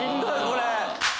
これ。